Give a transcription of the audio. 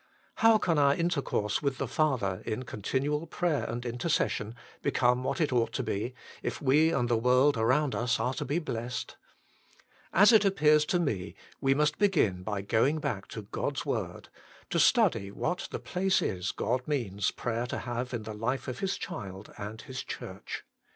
How can our intercourse with the Father, in continual prayer and intercession, become what it ought to be, if we and the world around us are to be blessed ? As it appears to me, we must begin by going back to God s Word, to study what the place is God means prayer to have in the life of His child and His Church.